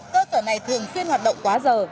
cơ sở này thường xuyên hoạt động quá giờ